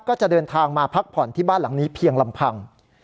ก็จะเดินทางมาพักผ่อนที่บ้านหลังนี้เพียงลำพัง